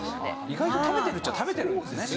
意外と食べてるっちゃ食べてるんですね